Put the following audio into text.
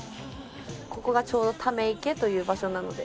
ここがちょうど溜池という場所なので。